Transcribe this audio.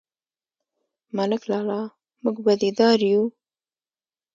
_ملک لالا، موږ بدي دار يو؟